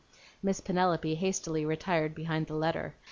Miss Penelope hastily retired behind the letter.